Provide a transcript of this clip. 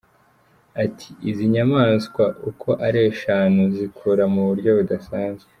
Ati "Izi nyamaswa uko ari eshatu zikura mu buryo budasanzwe.